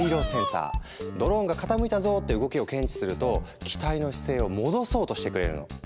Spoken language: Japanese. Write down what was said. ドローンが「傾いたぞ！」って動きを検知すると機体の姿勢を戻そうとしてくれるの。